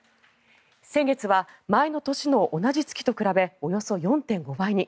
先月は前の年の同じ月と比べおよそ４．５倍に。